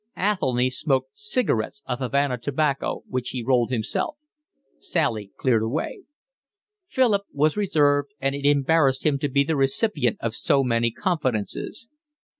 Athelny smoked cigarettes of Havana tobacco, which he rolled himself. Sally cleared away. Philip was reserved, and it embarrassed him to be the recipient of so many confidences.